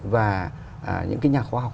và những nhà khoa học